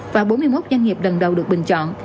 và bốn mươi một doanh nghiệp lần đầu được bình chọn